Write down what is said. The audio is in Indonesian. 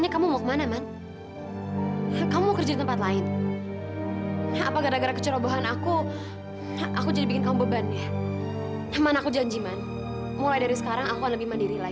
aku lagi pergi bisa jagain nun gimana aku lagi pergi bisa jagain nun gimana aku lagi pergi bisa jagain nun gimana